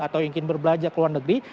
atau ingin berbelanja ke luar negeri